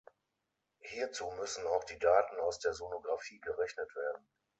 Hierzu müssen auch die Daten aus der Sonographie gerechnet werden.